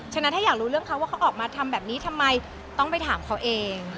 ฉะนั้นถ้าอยากรู้เรื่องเขาว่าเขาออกมาทำแบบนี้ทำไมต้องไปถามเขาเอง